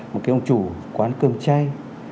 một ông chủ quán cơm chay